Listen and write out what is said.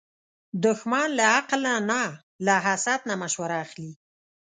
دښمن له عقل نه نه، له حسد نه مشوره اخلي